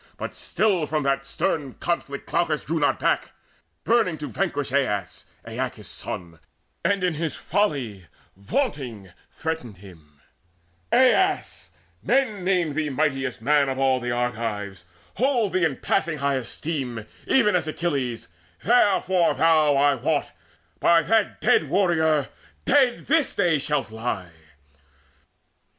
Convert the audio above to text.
But still From that stern conflict Glaucus drew not back, Burning to vanquish Aias, Aeacus' son, And in his folly vaunting threatened him: "Aias, men name thee mightiest man of all The Argives, hold thee in passing high esteem Even as Achilles: therefore thou, I wot, By that dead warrior dead this day shalt lie!"